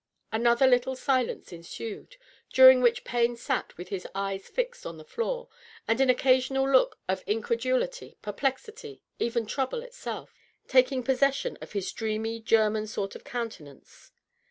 Another little silence ensued, during which Payne sat with his eyes fixed on the floor and an occasional look of incredulity, perplexity, even trouble itself, taking possession of his dreamy, German sort of countenance.